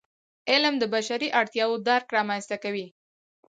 علم د بشري اړتیاوو درک رامنځته کوي.